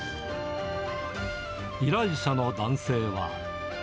依頼者の男性は。